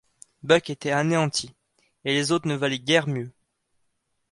Buck était anéanti, et les autres ne valaient guère mieux.